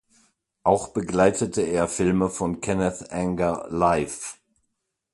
Auch begleitete er Filme von Kenneth Anger live.